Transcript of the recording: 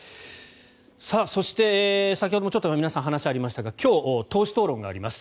そして、先ほども皆さんのお話にありましたが今日、党首討論があります。